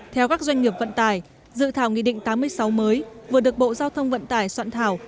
theo các doanh nghiệp vận tải dự thảo nghị định tám mươi sáu mới vừa được bộ giao thông vận tải soạn thảo